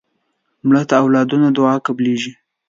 مړه ته د اولادونو دعا قبلیږي